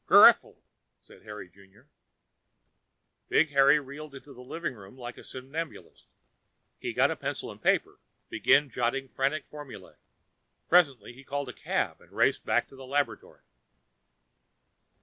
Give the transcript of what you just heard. "Gurfle," said Harry Junior. Big Harry reeled into the living room like a somnambulist. He got pencil and paper, began jotting frantic formulae. Presently he called a cab and raced back to the laboratory.